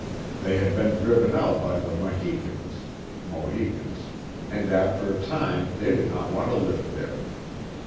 They had been driven out by the Mahicans [Mohicans] and after a time they did not want to live there.